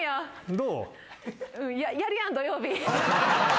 どう？